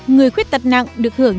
người khuyết tật nặng được hưởng